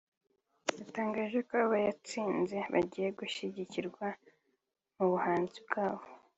yatangaje ko aba batsinze bagiye gushyigikirwa mu buhanzi bwabo